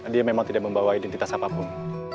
dia memang tidak membawa identitas apapun